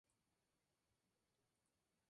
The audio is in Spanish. Seguirá hasta nuestros días fiel a estos apoyos.